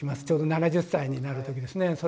ちょうど７０歳になる時ですね。